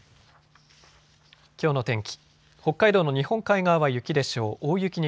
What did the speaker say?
きょうの天気。